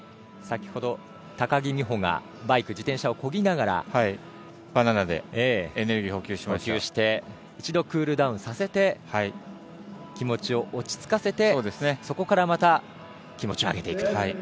先ほど、高木美帆が自転車をこぎながらバナナでエネルギーを補給して一度クールダウンさせて気持ちを落ち着かせてそこからまた気持ちを上げていくと。